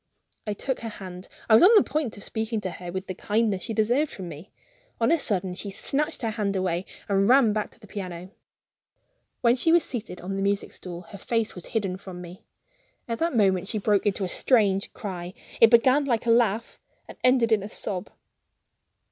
I took her hand; I was on the point of speaking to her with the kindness she deserved from me. On a sudden she snatched her hand away and ran back to the piano. When she was seated on the music stool, her face was hidden from me. At that moment she broke into a strange cry it began like a laugh, and it ended like a sob.